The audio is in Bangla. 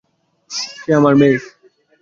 সে আমার মেয়ে।